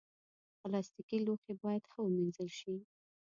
پلاستيکي لوښي باید ښه ومینځل شي.